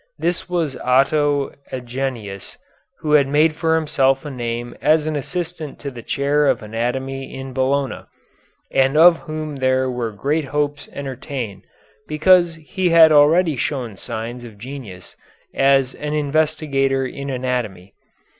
This was Otto Agenius, who had made for himself a name as an assistant to the chair of anatomy in Bologna, and of whom there were great hopes entertained because he had already shown signs of genius as an investigator in anatomy.